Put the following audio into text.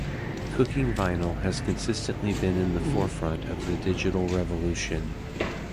Cooking Vinyl has consistently been in the forefront of the digital revolution.